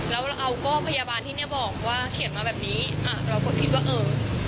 แล้วเราเอาก็พยาบาลที่เนี้ยบอกว่าเขียนมาแบบนี้อ่ะเราก็คิดว่าเออ